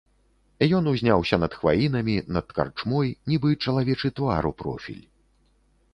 Ён узняўся над хваінамі, над карчмой, нібы чалавечы твар у профіль.